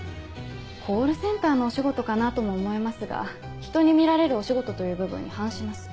コールセンターのお仕事かな？とも思えますが人に見られるお仕事という部分に反します。